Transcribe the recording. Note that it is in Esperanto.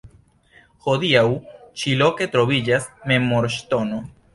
Hodiaŭ ĉi loke troviĝas memorŝtono.